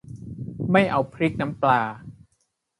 ไม่เอาพริกน้ำปลา